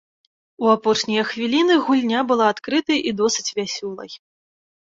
У апошнія хвіліны гульня была адкрытай і досыць вясёлай.